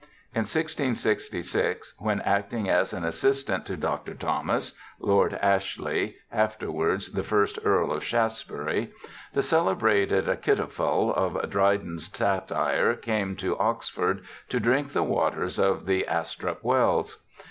In 1666, when acting as an assis tant to Dr. Thomas, Lord Ashley, afterwards the first Earl of Shaftesbury, the celebrated Achitophel of Dry den's satire, came to Oxford to drink the waters of the Astrop wells.